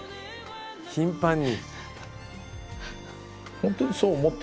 頻繁に。